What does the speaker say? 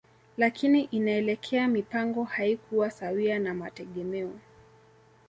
Lakini inaelekea mipango haikuwa sawia na mategemeo